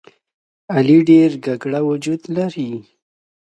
علي ډېر ګګړه وجود لري.